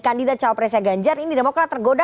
kandidat cawa presiden ganjar ini demokra tergoda